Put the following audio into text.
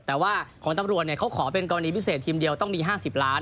แต่ว่าของตำรวจเขาขอเป็นกรณีพิเศษทีมเดียวต้องมี๕๐ล้าน